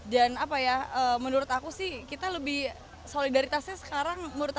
dan apa ya menurut aku sih kita lebih solidaritasnya sekarang menurut aku